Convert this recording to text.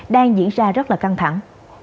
đang diễn ra rất là căng thẳng